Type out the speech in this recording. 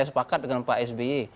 saya sepakat dengan pak sby